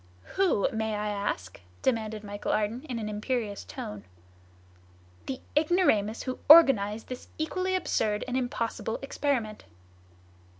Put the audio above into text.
"Who, may I ask?" demanded Michel Ardan in an imperious tone. "The ignoramus who organized this equally absurd and impossible experiment!"